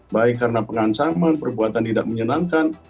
baik karena pengancaman perbuatan tidak menyenangkan